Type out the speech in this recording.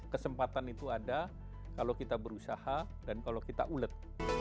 kesempatan itu ada kalau kita berusaha dan kalau kita ulet